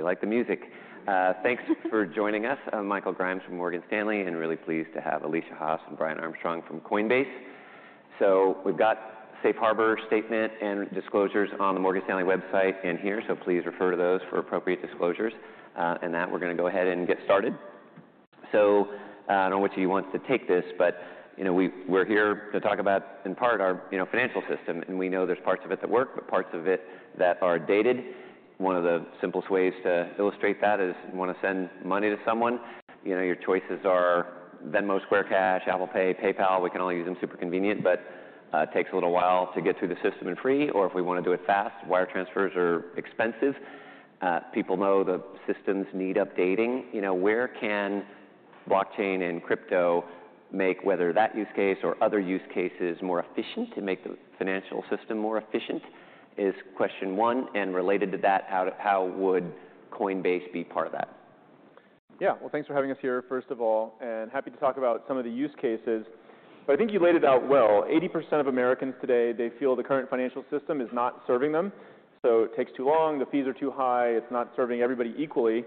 You like the music. Thanks for joining us. I'm Michael Grimes from Morgan Stanley and really pleased to have Alesia Haas and Brian Armstrong from Coinbase. We've got safe harbor statement and disclosures on the Morgan Stanley website in here. Please refer to those for appropriate disclosures. In that, we're going to go ahead and get started. I don't know which of you wants to take this, but, you know, we're here to talk about in part our, you know, financial system. We know there's parts of it that work, but parts of it that are dated. One of the simplest ways to illustrate that is you want to send money to someone, you know, your choices are Venmo, Cash App, Apple Pay, PayPal. We can all use them, super convenient, but it takes a little while to get through the system and free. If we want to do it fast, wire transfers are expensive. People know the systems need updating. You know, where can blockchain and crypto make whether that use case or other use cases more efficient to make the financial system more efficient is question one. Related to that, how would Coinbase be part of that? Yeah. Well, thanks for having us here, first of all. Happy to talk about some of the use cases. I think you laid it out well. 80% of Americans today, they feel the current financial system is not serving them. It takes too long, the fees are too high, it's not serving everybody equally.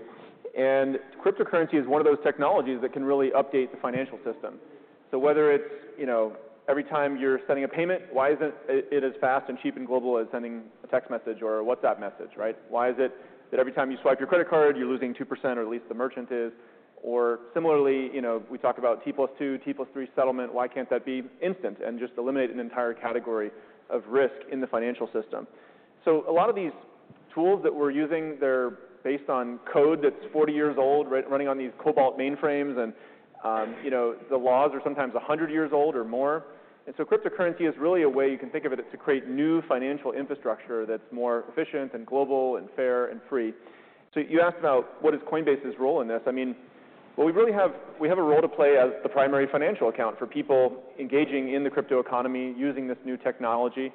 Cryptocurrency is one of those technologies that can really update the financial system. Whether it's, you know, every time you're sending a payment, why isn't it as fast and cheap and global as sending a text message or a WhatsApp message, right? Why is it that every time you swipe your credit card, you're losing 2%, or at least the merchant is? Similarly, you know, we talk about T+2, T+3 settlement, why can't that be instant and just eliminate an entire category of risk in the financial system? A lot of these tools that we're using, they're based on code that's 40 years old running on these COBOL mainframes and, you know, the laws are sometimes 100 years old or more. cryptocurrency is really a way, you can think of it, is to create new financial infrastructure that's more efficient and global and fair and free. You asked about what Coinbase's role in this is. I mean, we have a role to play as the primary financial account for people engaging in the crypto economy using this new technology.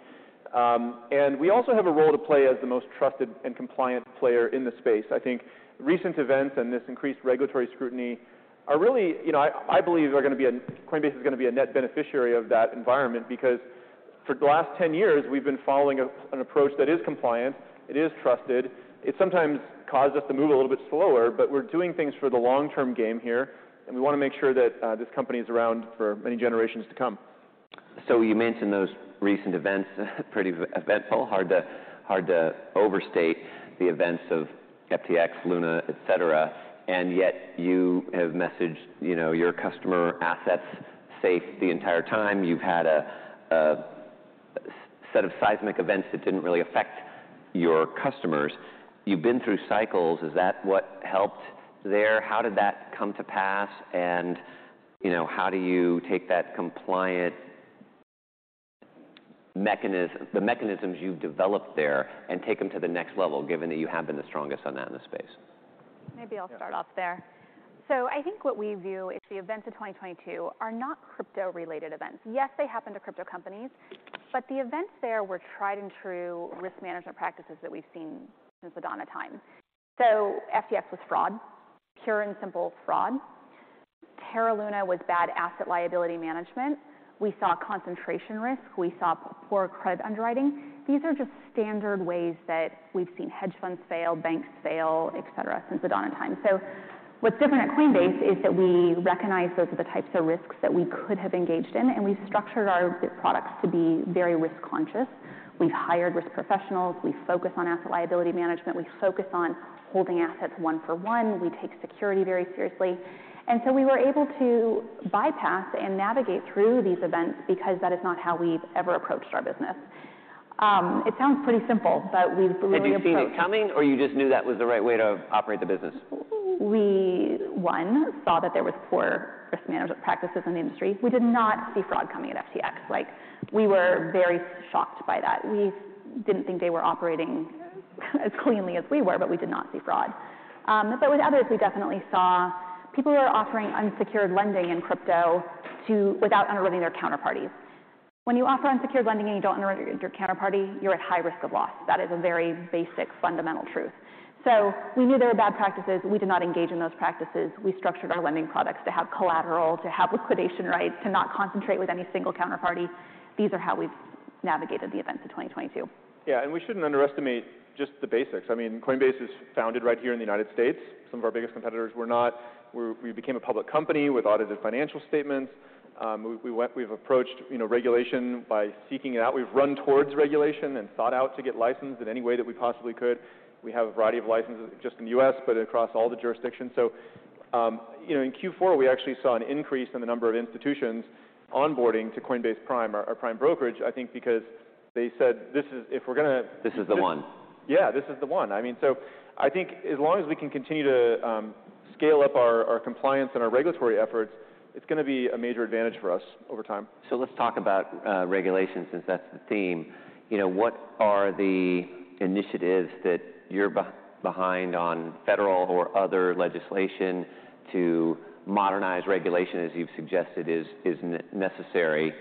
We also have a role to play as the most trusted and compliant player in the space. I think recent events and this increased regulatory scrutiny are really. You know, I believe Coinbase is going to be a net beneficiary of that environment because for the last 10 years, we've been following an approach that is compliant, it is trusted. It sometimes caused us to move a little bit slower, but we're doing things for the long-term game here. We want to make sure that this company is around for many generations to come. You mentioned those recent events, pretty eventful. Hard to overstate the events of FTX, LUNA, et cetera. Yet you have messaged, you know, your customer assets safe the entire time. You've had a set of seismic events that didn't really affect your customers. You've been through cycles. Is that what helped there? How did that come to pass? You know, how do you take the mechanisms you've developed there and take them to the next level given that you have been the strongest on that in the space? I think what we view is the events of 2022 are not crypto-related events. Yes, they happened to crypto companies, but the events there were tried and true risk management practices that we've seen since the dawn of time. FTX was fraud, pure and simple fraud. Terra LUNA was bad asset liability management. We saw concentration risk. We saw poor credit underwriting. These are just standard ways that we've seen hedge funds fail, banks fail, et cetera, since the dawn of time. What's different at Coinbase is that we recognize those are the types of risks that we could have engaged in, and we've structured our products to be very risk conscious. We've hired risk professionals. We focus on asset liability management. We focus on holding assets one-for-one. We take security very seriously. We were able to bypass and navigate through these events because that is not how we've ever approached our business. It sounds pretty simple, but we've really approached. Had you seen it coming or you just knew that was the right way to operate the business? We, one, saw that there were poor risk management practices in the industry. We did not see fraud coming at FTX. We were very shocked by that. We didn't think they were operating as cleanly as we were, but we did not see fraud. With others we definitely saw people who are offering unsecured lending in crypto without underwriting their counterparties. When you offer unsecured lending and you don't underwrite your counterparty, you're at high risk of loss. That is a very basic fundamental truth. We knew there were bad practices. We did not engage in those practices. We structured our lending products to have collateral, to have liquidation rights, to not concentrate with any single counterparty. These are how we've navigated the events of 2022. Yeah, we shouldn't underestimate just the basics. I mean, Coinbase is founded right here in the United States. Some of our biggest competitors were not. We became a public company with audited financial statements. We've approached, you know, regulation by seeking it out. We've run towards regulation and seek out to get licensed in any way that we possibly could. We have a variety of licenses just in the U.S., but across all the jurisdictions. You know, in Q4 we actually saw an increase in the number of institutions onboarding to Coinbase Prime, our prime brokerage, I think because they said, "If we're gonna- This is the one. Yeah, this is the one. I mean, I think as long as we can continue to scale up our compliance and our regulatory efforts, it's gonna be a major advantage for us over time. Let's talk about regulation since that's the theme. You know, what are the initiatives that you're behind on federal or other legislation to modernize regulation, as you've suggested, is necessary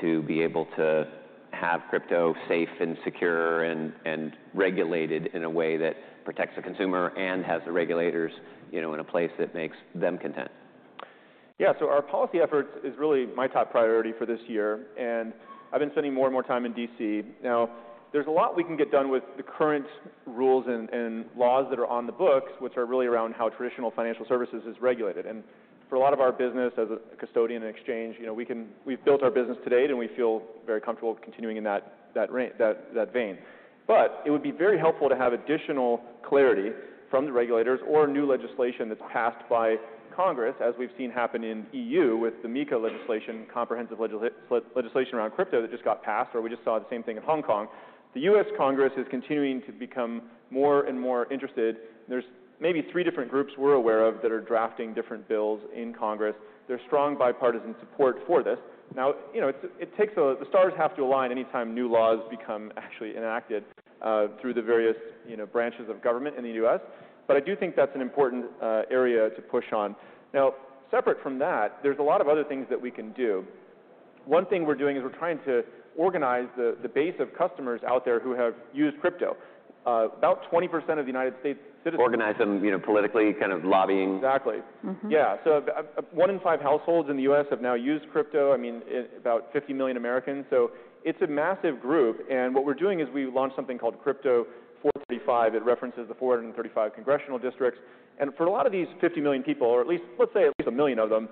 to be able to have crypto safe and secure and regulated in a way that protects the consumer and has the regulators, you know, in a place that makes them content? Our policy efforts are really my top priority for this year, and I've been spending more and more time in D.C. There's a lot we can get done with the current rules and laws that are on the books, which are really around how traditional financial services is regulated. For a lot of our business as a custodian exchange, you know, we've built our business to date, and we feel very comfortable continuing in that vein. It would be very helpful to have additional clarity from the regulators or new legislation that's passed by Congress, as we've seen happen in E.U. with the MiCA legislation, comprehensive legislation around crypto that just got passed, or we just saw the same thing in Hong Kong. The U.S. Congress is continuing to become more and more interested. There are maybe three different groups we're aware of that are drafting different bills in Congress. There's strong bipartisan support for this. Now, you know, it takes the stars have to align anytime new laws become actually enacted through the various, you know, branches of government in the U.S. I do think that's an important area to push on. Now, separate from that, there's a lot of other things that we can do. One thing we're doing is we're trying to organize the base of customers out there who have used crypto. About 20% of the United States citizens- Organize them, you know, politically, kind of lobbying? Exactly. Yeah. One in five households in the U.S. have now used crypto, I mean about 50 million Americans. It's a massive group. What we're doing is we've launched something called Crypto 435. It references the 435 congressional districts. For a lot of these 50 million people, or at least, let's say at least 1 million of them,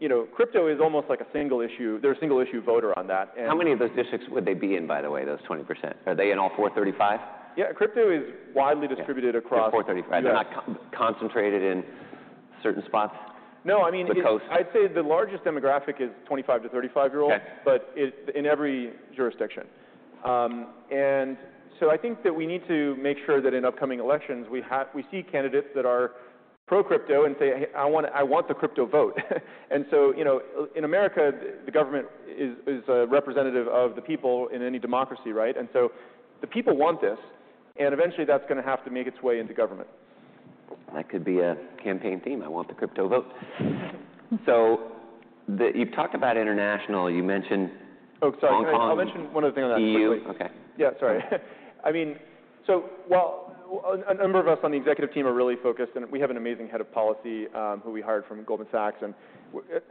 you know, crypto is almost like a single issue. They're a single-issue voter on that. How many of those districts would they be in, by the way, those 20%? Are they in all 435? Yeah. Crypto is widely distributed across- They're 435. They're not concentrated in certain spots? No, I mean. The coast. I'd say the largest demographic is 25-35-year-olds. Okay. in every jurisdiction. I think that we need to make sure that in upcoming elections, we see candidates that are pro crypto and say, "Hey, I want, I want the crypto vote." you know, in America, the government is a representative of the people in any democracy, right? The people want this, and eventually that's going to have to make its way into government. That could be a campaign theme, "I want the crypto vote." You've talked about international. You mentioned E.U. Oh, sorry. I'll mention one other thing on that quickly. Okay. Yeah, sorry. I mean, while a number of us on the executive team are really focused, and we have an amazing head of policy, who we hired from Goldman Sachs,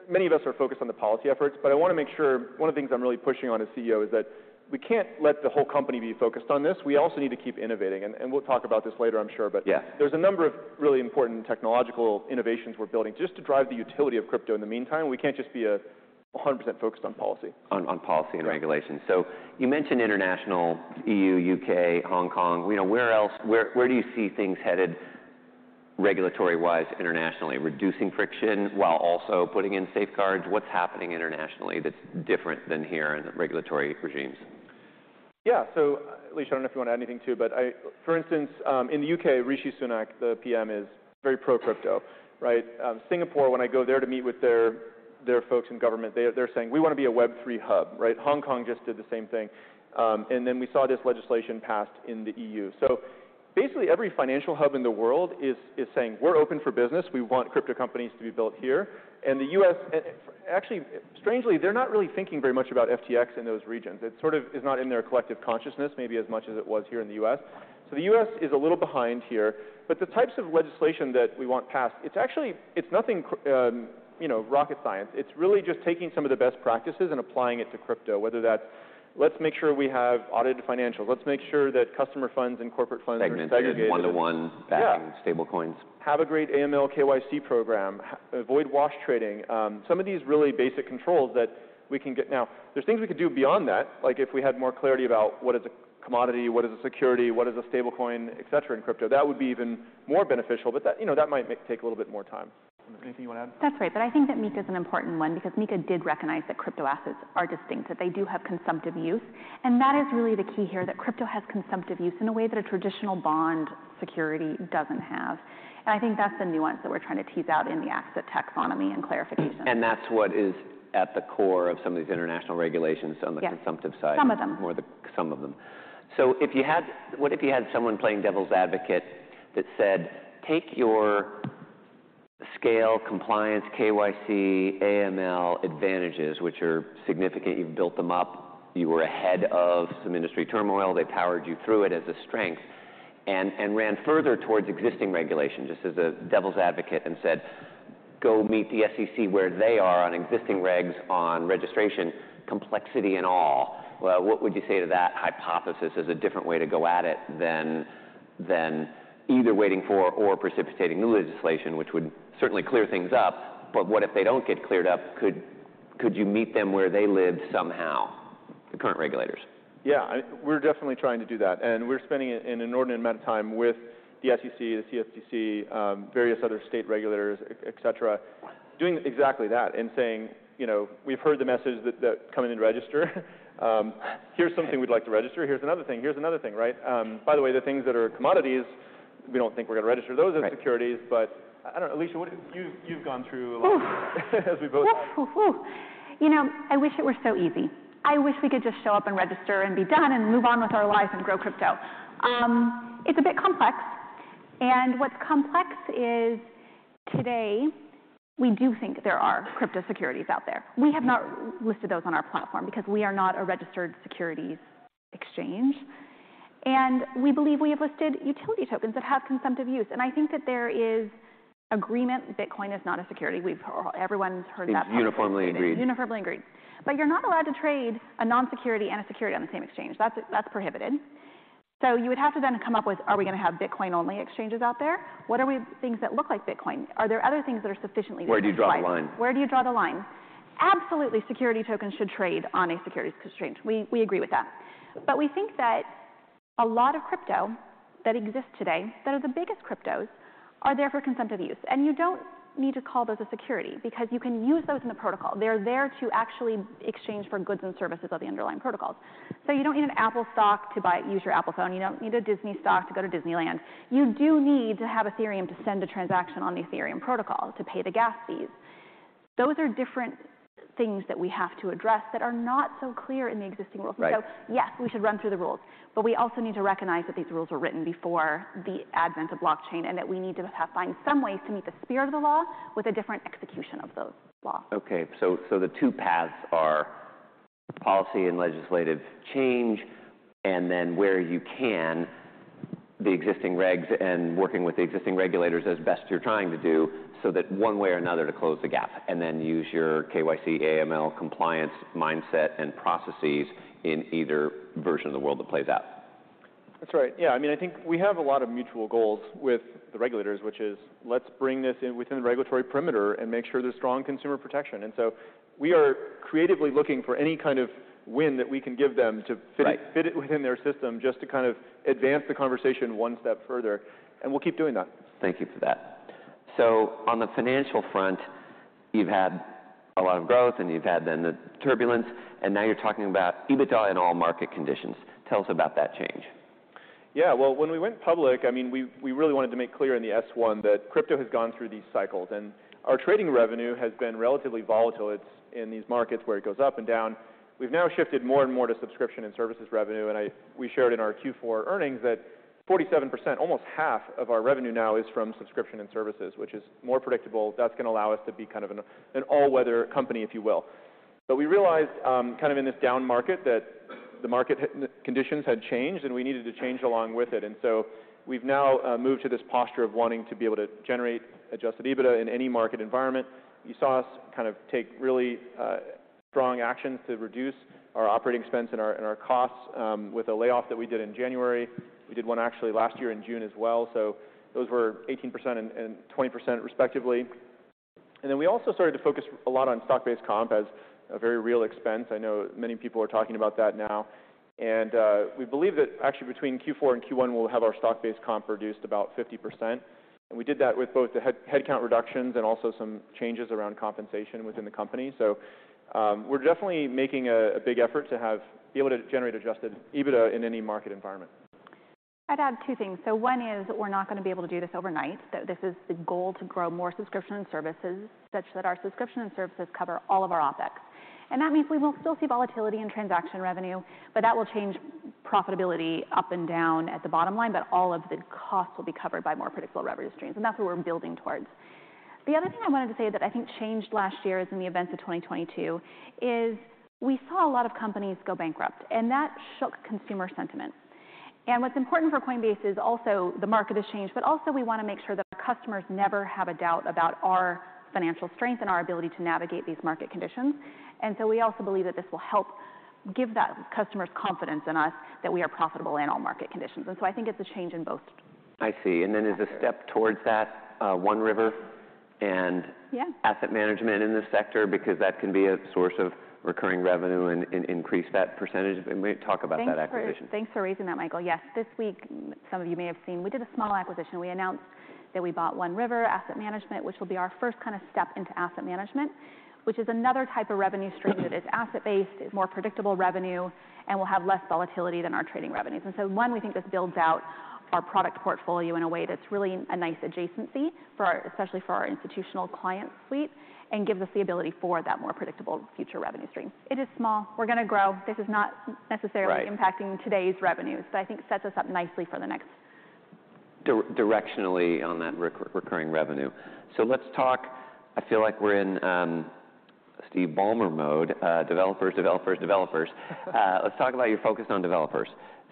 many of us are focused on the policy efforts. I want to make sure, one of the things I'm really pushing on as CEO is that we can't let the whole company be focused on this. We also need to keep innovating. And we'll talk about this later, I'm sure there's a number of really important technological innovations we're building just to drive the utility of crypto in the meantime. We can't just be 100% focused on policy. On policy and regulation. You mentioned international, E.U., U.K., Hong Kong. You know, where else, where do you see things headed regulatory-wise internationally? Reducing friction while also putting in safeguards? What's happening internationally that's different than here in the regulatory regimes? Yeah. Alesia, I don't know if you want to add anything too, but for instance, in the U.K., Rishi Sunak, the PM, is very pro crypto, right? Singapore, when I go there to meet with their folks in government, they're saying, "We want to be a Web3 hub," right? Hong Kong just did the same thing. We saw this legislation passed in the E.U. Basically, every financial hub in the world is saying, "We're open for business. We want crypto companies to be built here." The U.S., actually, strangely, they're not really thinking very much about FTX in those regions. It sort of is not in their collective consciousness maybe as much as it was here in the U.S. The U.S. is a little behind here, but the types of legislation that we want passed, it's nothing, you know, rocket science. It's really just taking some of the best practices and applying it to crypto, whether that's let's make sure we have audited financials, let's make sure that customer funds and corporate funds are segregated. Segmented, one-to-one backing stablecoins. Have a great AML, KYC program, avoid wash trading, some of these really basic controls that we can get. There are things we could do beyond that, like if we had more clarity about what a commodity is, what is a security, what is a stablecoin, et cetera, in crypto. That would be even more beneficial, but that, you know, that might take a little bit more time. Anything you wanna add? That's right. I think that MiCA is an important one because MiCA did recognize that crypto assets are distinct, that they do have consumptive use, and that is really the key here, that crypto has consumptive use in a way that a traditional bond security doesn't have. I think that's the nuance that we're trying to tease out in the asset taxonomy and clarification. That's what is at the core of some of these international regulations of consumptive side. Some of them. More some of them. What if you had someone playing devil's advocate that said, "Take your scale, compliance, KYC, AML advantages," which are significant. You've built them up. You were ahead of some industry turmoil. They powered you through it as a strength. Ran further towards existing regulation, just as a devil's advocate, and said, "Go meet the SEC where they are on existing regs, on registration, complexity and all." Well, what would you say to that hypothesis as a different way to go at it than either waiting for or precipitating new legislation, which would certainly clear things up, but what if they don't get cleared up? Could you meet them where they live somehow, the current regulators? Yeah. We're definitely trying to do that, and we're spending an inordinate amount of time with the SEC, the CFTC, various other state regulators, et cetera, doing exactly that and saying, you know, "We've heard the message that come in and register. Here's something we'd like to register. Here's another thing. Here's another thing," right? By the way, the things that are commodities, we don't think we're going to register those as securities. I don't know, Alesia, you've gone through a lot as we both have. Ooh. You know, I wish it were so easy. I wish we could just show up and register and be done and move on with our lives and grow crypto. It's a bit complex. What's complex is today we do think there are crypto securities out there. We have not listed those on our platform because we are not a registered securities exchange. We believe we have listed utility tokens that have consumptive use. I think that there is agreement Bitcoin is not a security. Everyone's heard that podcast. It's uniformly agreed. Uniformly agreed. You're not allowed to trade a non-security and a security on the same exchange. That's prohibited. You would have to then come up with, are we gonna have Bitcoin-only exchanges out there? Things that look like Bitcoin? Are there other things that are sufficiently different to be like... Where do you draw the line? Where do you draw the line? Absolutely, security tokens should trade on a securities exchange. We agree with that. We think that a lot of crypto that exists today, that are the biggest cryptos, are there for consumptive use. You don't need to call those a security because you can use those in the protocol. They're there to actually exchange for goods and services of the underlying protocols. You don't need an Apple stock to buy, use your Apple phone. You don't need a Disney stock to go to Disneyland. You do need to have Ethereum to send a transaction on the Ethereum protocol, to pay the gas fees. Those are different things that we have to address that are not so clear in the existing rules. Right. Yes, we should run through the rules, but we also need to recognize that these rules were written before the advent of blockchain, and that we need to find some ways to meet the spirit of the law with a different execution of those laws. The two paths are policy and legislative change, and then where you can, the existing regs and working with the existing regulators as best you're trying to do, so that one way or another to close the gap, and then use your KYC, AML compliance mindset and processes in either version of the world that plays out. That's right. Yeah. I mean, I think we have a lot of mutual goals with the regulators, which is let's bring this in within the regulatory perimeter and make sure there's strong consumer protection. We are creatively looking for any kind of win that we can give them fit it within their system just to kind of advance the conversation one step further. We'll keep doing that. Thank you for that. On the financial front, you've had a lot of growth and you've had then the turbulence, and now you're talking about EBITDA in all market conditions. Tell us about that change. Well, when we went public, I mean, we really wanted to make clear in the S-1 that crypto has gone through these cycles, and our trading revenue has been relatively volatile. It's in these markets where it goes up and down. We've now shifted more and more to subscription and services revenue. We showed in our Q4 earnings that 47%, almost half of our revenue now is from subscription and services, which is more predictable. That's going to allow us to be kind of an all-weather company, if you will. We realized, kind of in this down market that the market conditions had changed, and we needed to change along with it. We've now moved to this posture of wanting to be able to generate Adjusted EBITDA in any market environment. You saw us kind of take really strong actions to reduce our operating expense and our costs with a layoff that we did in January. We did one actually last year in June as well. Those were 18% and 20% respectively. Then we also started to focus a lot on stock-based compensation as a very real expense. I know many people are talking about that now. We believe that actually between Q4 and Q1, we'll have our stock-based compensation reduced about 50%. We did that with both the headcount reductions and also some changes around compensation within the company. We're definitely making a big effort to be able to generate adjusted EBITDA in any market environment. I'd add two things. One is we're not going to be able to do this overnight. That this is the goal to grow more subscription and services, such that our subscription and services cover all of our OpEx. That means we will still see volatility in transaction revenue, but that will change profitability up and down at the bottom line. All of the costs will be covered by more predictable revenue streams, and that's what we're building towards. The other thing I wanted to say that I think changed last year is in the events of 2022, is we saw a lot of companies go bankrupt, and that shook consumer sentiment. What's important for Coinbase is also the market has changed, but also, we want to make sure that our customers never have a doubt about our financial strength and our ability to navigate these market conditions. We also believe that this will help give customers confidence in us that we are profitable in all market conditions. I think it's a change in both. I see. As a step towards that, One River and asset management in this sector because that can be a source of recurring revenue and increase that percentage. May you talk about that acquisition? Thanks for raising that, Michael. Yes. This week, some of you may have seen, we did a small acquisition. We announced that we bought One River Asset Management, which will be our first kind of step into asset management, which is another type of revenue stream that is asset-based, more predictable revenue and will have less volatility than our trading revenues. One, we think this builds out our product portfolio in a way that's really a nice adjacency for our, especially for our institutional client suite and gives us the ability for that more predictable future revenue stream. It is small. We're going to grow. This is not necessarily impacting today's revenues, but I think it sets us up nicely for the next. Directionally on that recurring revenue. Let's talk. I feel like we're in Steve Ballmer mode, developers, developers. Let's talk about your focus on developers.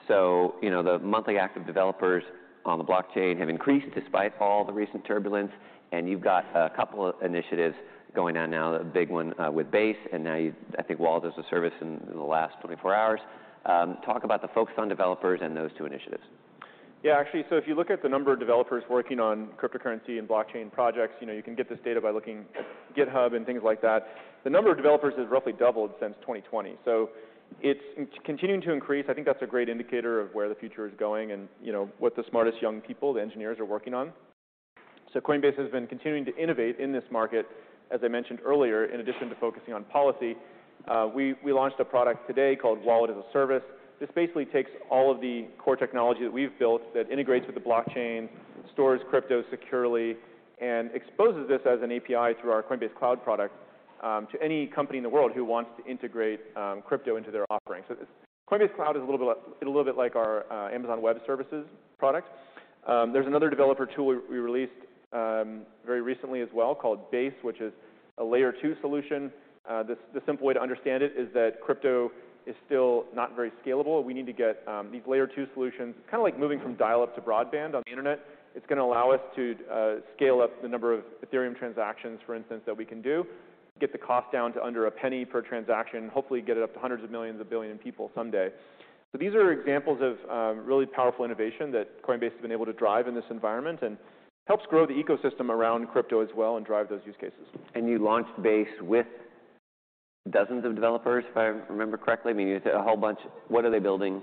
You know, the monthly active developers on the blockchain have increased despite all the recent turbulence, and you've got a couple initiatives going on now, a big one, with Base, and now you've, I think, Wallet as a Service in the last 24 hours. Talk about the focus on developers and those two initiatives. Actually. If you look at the number of developers working on cryptocurrency and blockchain projects, you know, you can get this data by looking GitHub and things like that. The number of developers has roughly doubled since 2020. It's continuing to increase. I think that's a great indicator of where the future is going and, you know, what the smartest young people, the engineers, are working on. Coinbase has been continuing to innovate in this market. As I mentioned earlier, in addition to focusing on policy, we launched a product today called Wallet as a Service. This basically takes all of the core technology that we've built that integrates with the blockchain, stores crypto securely, and exposes this as an API through our Coinbase Cloud product to any company in the world who wants to integrate crypto into their offering. Coinbase Cloud is a little bit like our Amazon Web Services product. There's another developer tool we released very recently as well called Base, which is a Layer 2 solution. The simple way to understand it is that crypto is still not very scalable. We need to get these Layer 2 solutions, kind of like moving from dial-up to broadband on the internet. It's going to allow us to scale up the number of Ethereum transactions, for instance, that we can do, get the cost down to under a penny per transaction. Hopefully, get it up to hundreds of millions, a billion people someday. These are examples of really powerful innovation that Coinbase has been able to drive in this environment. Helps grow the ecosystem around crypto as well and drive those use cases. You launched Base with dozens of developers, if I remember correctly. I mean, you said a whole bunch. What are they building?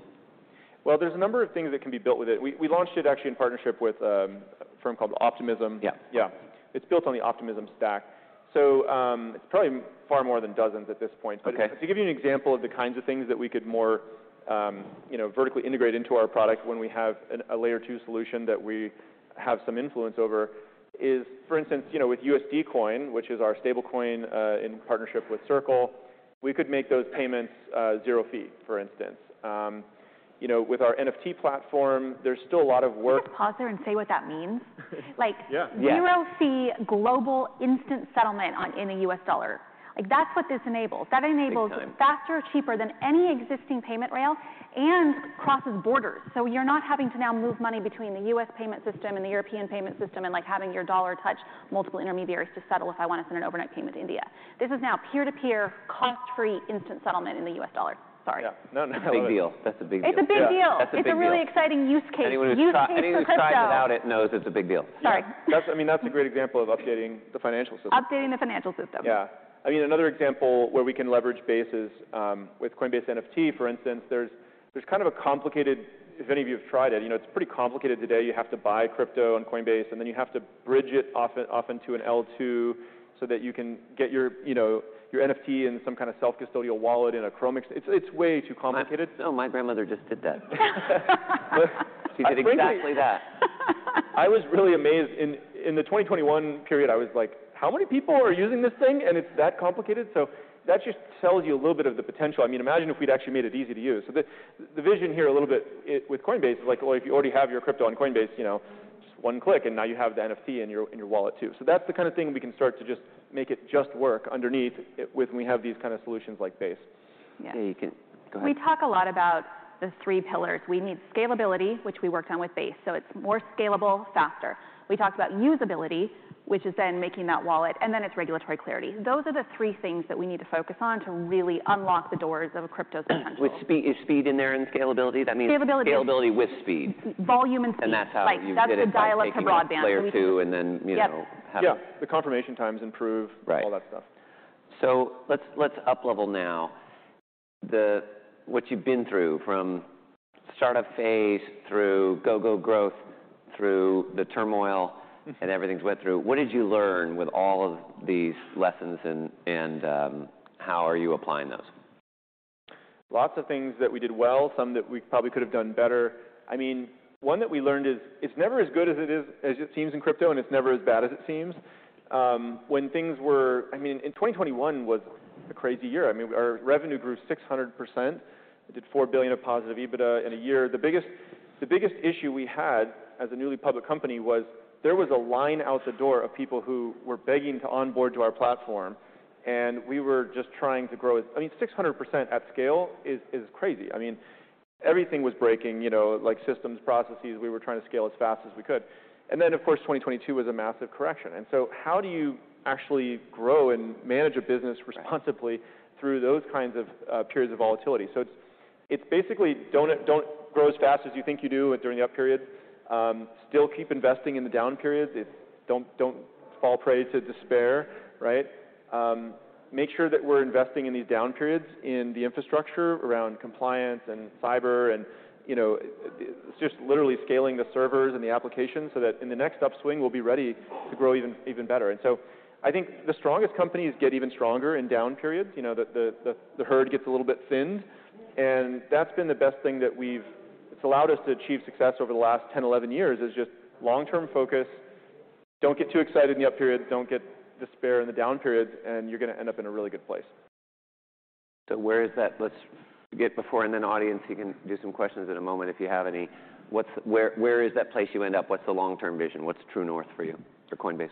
There's a number of things that can be built with it. We launched it actually in partnership with a firm called Optimism. Yeah. Yeah. It's built on the OP Stack. It's probably far more than dozens at this point. Okay. To give you an example of the kinds of things that we could more, you know, vertically integrate into our product when we have a layer two solution that we have some influence over is, for instance, you know, with USD Coin, which is our stablecoin, in partnership with Circle, we could make those payments, zero fee, for instance. You know, with our NFT platform, there's still a lot of work. Can you just pause there and say what that means? Like zero-fee global instant settlement on, in a U.S. dollar. Like, that's what this enables faster, cheaper than any existing payment rail and crosses borders. You're not having to now move money between the U.S. payment system and the European payment system, and like, having your dollar touch multiple intermediaries to settle if I want to send an overnight payment to India. This is now peer-to-peer, cost-free instant settlement in the U.S. dollar. Sorry. Yeah. No, no. Big deal. That's a big deal. It's a big deal. That's a big deal. It's a really exciting use case. Anyone who's tried it without it knows it's a big deal. Sorry. That's, I mean, that's a great example of updating the financial system. Updating the financial system. Yeah. I mean, another example where we can leverage Base is with Coinbase NFT, for instance, there's kind of a complicated, if any of you have tried it, you know, it's pretty complicated today. You have to buy crypto on Coinbase, and then you have to bridge it off into an L2 so that you can get your, you know, your NFT in some kind of self-custodial wallet in a Chrome extension. It's way too complicated. My grandmother just did that. She did exactly that. I was really amazed. In the 2021 period, I was like, "How many people are using this thing and it's that complicated?" That just tells you a little bit of the potential. I mean, imagine if we'd actually made it easy to use. The vision here a little bit with Coinbase is like, well, if you already have your crypto on Coinbase, you know, just one click, and now you have the NFT in your, in your wallet too. That's the kind of thing we can start to just make it just work underneath it with when we have these kinds of solutions like Base. Yeah. Yeah, Go ahead. We talk a lot about the three pillars. We need scalability, which we worked on with Base. It's more scalable, faster. We talked about usability, which is then making that wallet, and then it's regulatory clarity. Those are the three things that we need to focus on to really unlock the doors of a crypto's potential. With speed, is speed in there in scalability? That means- Scalability Scalability with speed. Volume and speed. That's how you did it by taking. Like, that's the dial-up to broadband. A layer two, and then, you know have it. Yeah. Right All that stuff. Let's up-level now what you've been through from startup phase through go-go growth through the turmoil and everything you went through. What did you learn with all of these lessons, and how are you applying those? Lots of things that we did well, some that we probably could've done better. I mean, one that we learned is it's never as good as it is, as it seems in crypto, and it's never as bad as it seems. I mean, in 2021 was a crazy year. I mean, our revenue grew 600%. We did $4 billion of positive EBITDA in a year. The biggest issue we had as a newly public company was there was a line out the door of people who were begging to onboard to our platform, and we were just trying to grow as I mean, 600% at scale is crazy. I mean, everything was breaking, you know, like systems, processes. We were trying to scale as fast as we could. Of course, 2022 was a massive correction. How do you actually grow and manage a business responsibly through those kinds of periods of volatility? It's basically don't grow as fast as you think you do during the up period. Still keep investing in the down periods. Don't fall prey to despair, right? Make sure that we're investing in these down periods in the infrastructure around compliance and cyber and, you know, it's just literally scaling the servers and the applications so that in the next upswing we'll be ready to grow even better. I think the strongest companies get even stronger in down periods. You know, the herd gets a little bit thinned. That's been the best thing that It's allowed us to achieve success over the last 10, 11 years, is just long-term focus. Don't get too excited in the up periods, don't get despair in the down periods, you're going to end up in a really good place. Where is that? Let's get before, and then audience, you can do some questions in a moment if you have any. Where is that place you end up? What's the long-term vision? What's true north for you for Coinbase?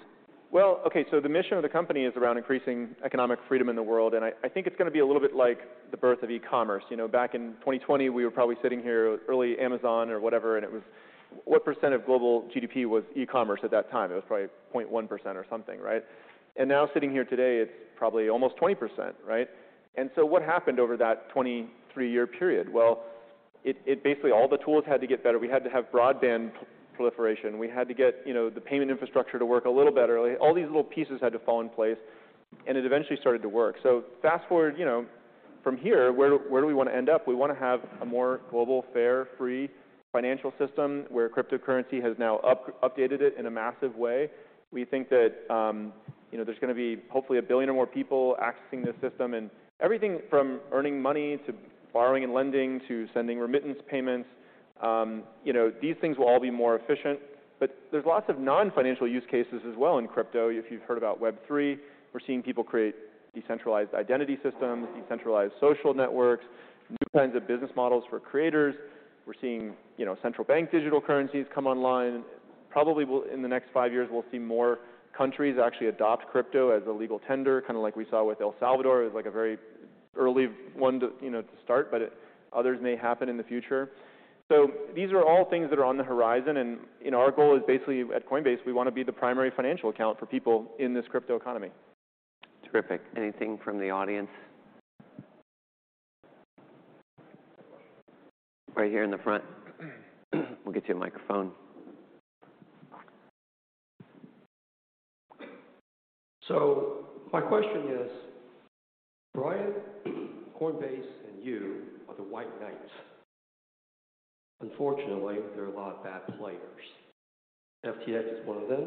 Okay, the mission of the company is around increasing economic freedom in the world, I think it's going to be a little bit like the birth of e-commerce. You know, back in 2020, we were probably sitting here early Amazon or whatever, it was what percent of global GDP was e-commerce at that time? It was probably 0.1% or something, right? Now sitting here today, it's probably almost 20%, right? What happened over that 23-year period? It basically all the tools had to get better. We had to have broadband proliferation. We had to get, you know, the payment infrastructure to work a little better. All these little pieces had to fall in place; it eventually started to work. Fast-forward, you know, from here, where do we want to end up? We want to have a more global, fair, free financial system where cryptocurrency has now updated it in a massive way. We think that, you know, there's going to be hopefully 1 billion or more people accessing this system. Everything from earning money to borrowing and lending to sending remittance payments, you know, these things will all be more efficient. There's lots of non-financial use cases as well in crypto. If you've heard about Web3, we're seeing people create decentralized identity systems, decentralized social networks, new kinds of business models for creators. We're seeing, you know, central bank digital currencies come online. Probably in the next five years, we'll see more countries actually adopt crypto as a legal tender, kind of like we saw with El Salvador. It was, like, a very early one to, you know, to start, but others may happen in the future. These are all things that are on the horizon, and, you know, our goal is basically, at Coinbase, we wanna be the primary financial account for people in this crypto economy. Terrific. Anything from the audience? Right here in the front. We'll get you a microphone. My question is, Brian, Coinbase, and you are the white knights. Unfortunately, there are a lot of bad players. FTX is one of them,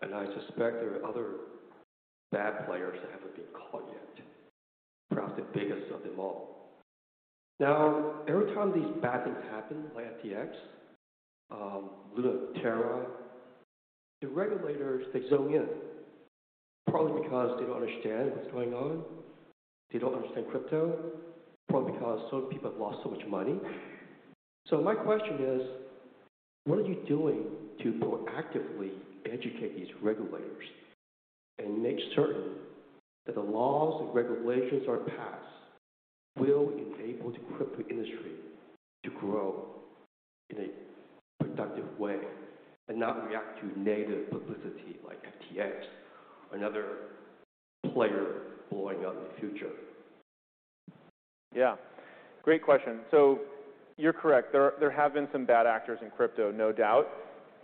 and I suspect there are other bad players that haven't been caught yet, perhaps the biggest of them all. Every time these bad things happen, like FTX, LUNA, Terra, the regulators, they zone in, partly because they don't understand what's going on. They don't understand crypto, partly because so many people have lost so much money. My question is, what are you doing to proactively educate these regulators and make certain that the laws and regulations that are passed will enable the crypto industry to grow in a productive way and not react to negative publicity like FTX or another player blowing up in the future? Great question. You're correct. There have been some bad actors in crypto, no doubt.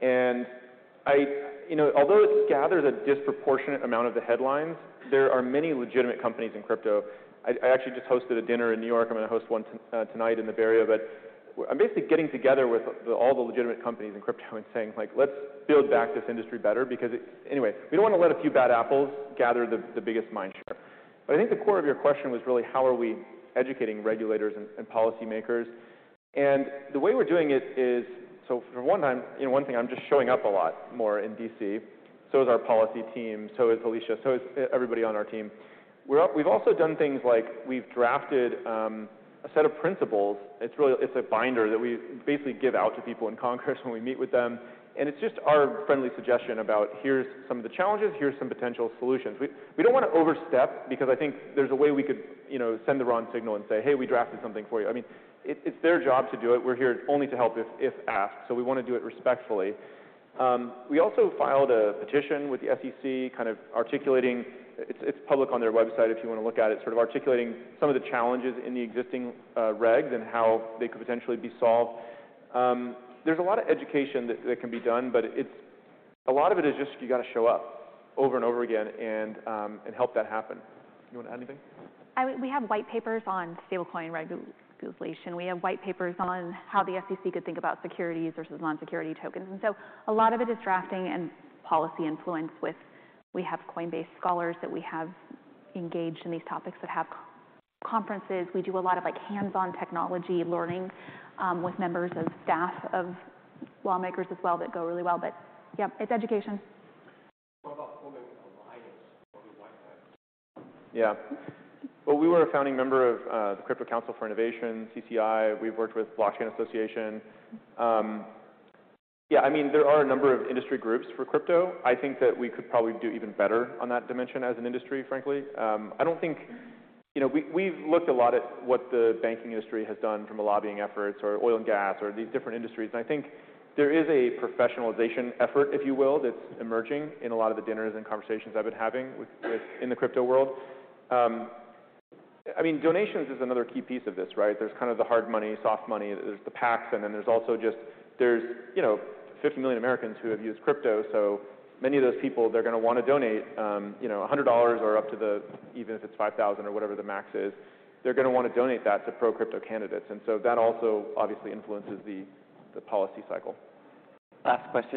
You know, although it's gathered a disproportionate amount of the headlines, there are many legitimate companies in crypto. I actually just hosted a dinner in New York. I'm going to host one tonight in the Bay Area. I'm basically getting together with all the legitimate companies in crypto and saying, like, "Let's build back this industry better." Anyway, we don't want to let a few bad apples gather the biggest mindshare. I think the core of your question was really how we are educating regulators and policymakers. The way we're doing it is, for one thing, I'm just showing up a lot more in D.C. Is our policy team, so is Alesia, so is everybody on our team. We've also done things like we've drafted a set of principles. It's really, it's a binder that we basically give out to people in Congress when we meet with them. It's just our friendly suggestion about here's some of the challenges, here's some potential solutions. We don't wanna overstep because I think there's a way we could, you know, send the wrong signal and say, "Hey, we drafted something for you." I mean, it's their job to do it. We're here only to help if asked. We wanna do it respectfully. We also filed a petition with the SEC kind of articulating, it's public on their website if you wanna look at it, sort of articulating some of the challenges in the existing regs and how they could potentially be solved. There's a lot of education that can be done, but a lot of it is just you gotta show up over and over again and help that happen. You wanna add anything? We have white papers on stablecoin regulation. We have white papers on how the SEC could think about securities versus non-security tokens. A lot of it is drafting and policy influence with, we have Coinbase Scholars that we have engaged in these topics that have conferences. We do a lot of, like, hands-on technology learning, with members of staff of lawmakers as well that go really well. Yeah, it's education. What about forming an alliance for the white hat? Well, we were a founding member of the Crypto Council for Innovation, CCI. We've worked with Blockchain Association. I mean, there are a number of industry groups for crypto. I think that we could probably do even better on that dimension as an industry, frankly. I don't think. You know, we've looked a lot at what the banking industry has done from a lobbying efforts or oil and gas or these different industries, and I think there is a professionalization effort, if you will, that's emerging in a lot of the dinners and conversations I've been having in the crypto world. I mean, donations are another key piece of this, right? There's kind of the hard money, soft money. There's the PACs. There's also just, you know, 50 million Americans who have used crypto. Many of those people, they're going to want to donate, you know, $100 or up to the, even if it's $5,000 or whatever the max is. They're going to want to donate that to pro-crypto candidates. That also obviously influences the policy cycle. Last question.